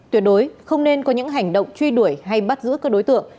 tuyệt đối không nên có những hành động truy đuổi hay bắt giữ các đối tượng